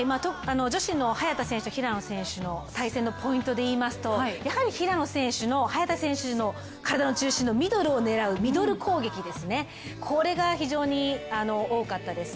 女子の早田選手、平野選手のポイントで言いますと、やはり平野選手の、早田選手の体の中心、ミドルを狙うミドル攻撃ですね、これが非常に多かったです。